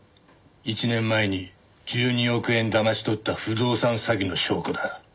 １年前に１２億円だまし取った不動産詐欺の証拠だ。